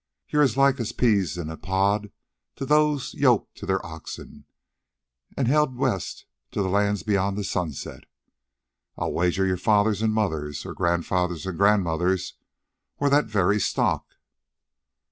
You're as like as peas in a pod to those who yoked their oxen and held west to the lands beyond the sunset. I'll wager your fathers and mothers, or grandfathers and grandmothers, were that very stock."